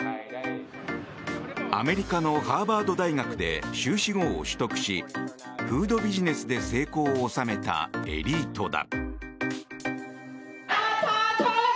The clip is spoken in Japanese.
アメリカのハーバード大学で修士号を取得しフードビジネスで成功を収めたエリートだ。